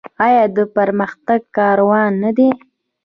آیا د پرمختګ کاروان نه دی؟